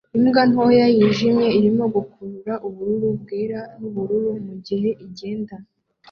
Imbwa ntoya yijimye irimo gukurura ubururu bwera nubururu mugihe igenda